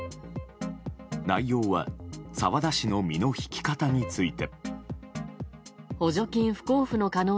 内容は澤田氏の身の引き方について。